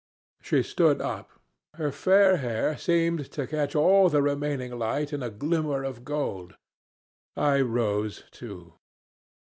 "She stood up; her fair hair seemed to catch all the remaining light in a glimmer of gold. I rose too.